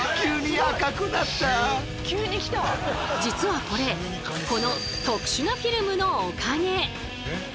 実はこれこの特殊なフィルムのおかげ。